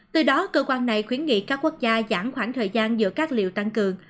từ đó cơ quan này khuyến nghị các quốc gia giảm khoảng thời gian giữa các liệu tăng cường